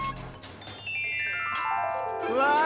うわ！